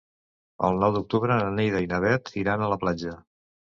El nou d'octubre na Neida i na Bet iran a la platja.